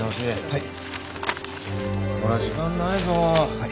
はい。